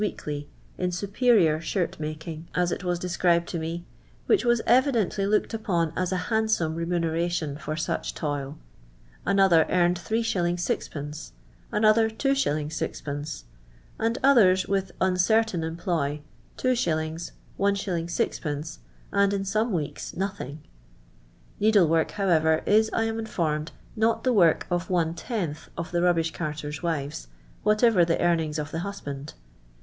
weekly in superior shir^making, as it was described to me, which was evidently looked upon as a handsome remuneration for such toil. Another earned 3«. 6d,; another 2s. 6rf. ; and others, with uncertain employ, 2s,, Is. Qd., and in some weeks nothing. Needle work, however, is, I am informed, not the work of one tenth of the rubbish carters' wives, whatever the earnings of the husband.